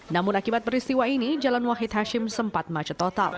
namun akibat peristiwa ini jalan wahid hashim sempat macet total